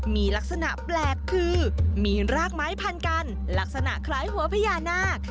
มีลักษณะแปลกคือมีรากไม้พันกันลักษณะคล้ายหัวพญานาค